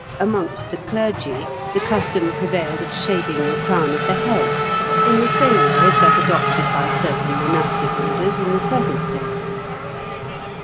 Amongst the clergy, the custom prevailed of shaving the crown of the head, in the same way as that adopted by certain monastic orders in the present day.